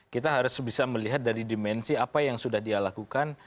kita harus bisa melihat dari dimensi apa yang sudah dia lakukan